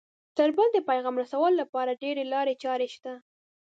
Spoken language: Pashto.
تر بل د پیغام رسولو لپاره ډېرې لارې چارې شته